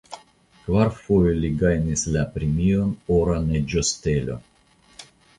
Kvarfoje li gajnis la premion "Ora neĝostelo".